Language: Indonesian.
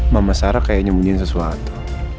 mama sarah kayaknya mungkin sesuatu